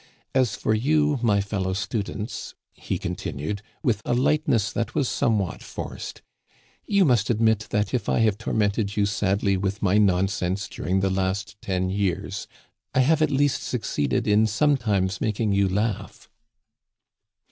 — As for you, my fellow students," he con tinued, with a lightness that was somewhat forced, you must admit that, if I have tormented you sadly with my nonsense during the last ten years, I have at least suc ceeded in sometimes making you laugh."